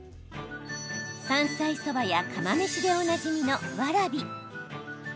山菜そばや釜飯でおなじみのわらび。